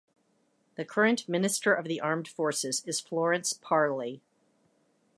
The current Minister of the Armed Forces is Florence Parly.